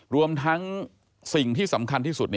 รวมทั้งสิ่งที่สำคัญที่สุด